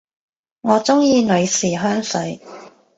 我鍾意女士香水